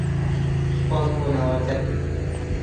سوپاس بۆ نامەکەت.